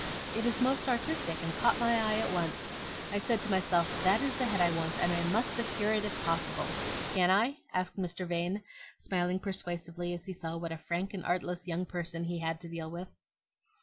"It is most artistic, and caught my eye at once. I said to myself,' That is the head I want, and I MUST secure it if possible.' Can I?" asked Mr. Vane, smiling persuasively as he saw what a frank and artless young person he had to deal with.